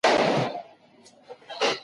مطالعه ماشوم ته د علم لاره پرانیزي.